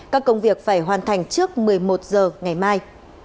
các công việc phải hoàn thành trước một mươi một h ngày mai